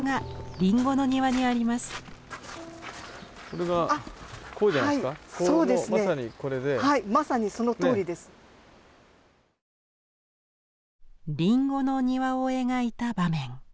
林檎の庭を描いた場面。